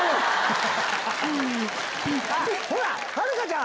ほらはるかちゃん